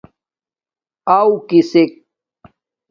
آو؟ کِسݵک؟